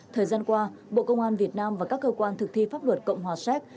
thời gian qua bộ công an việt nam và các cơ quan thực thi pháp luật cộng hòa séc